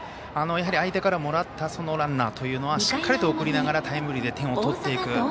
相手からもらったランナーというのはしっかりと送りながらタイムリーで点を取っていく。